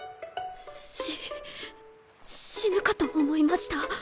し死ぬかと思いました。